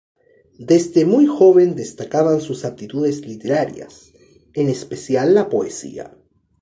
Desde muy joven destacaban sus aptitudes literarias, en especial la poesía.